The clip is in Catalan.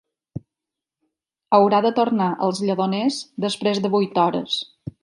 Haurà de tornar als Lledoners després de vuit hores